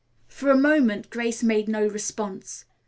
For a moment Grace made no response.